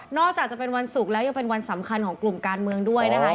จากจะเป็นวันศุกร์แล้วยังเป็นวันสำคัญของกลุ่มการเมืองด้วยนะคะ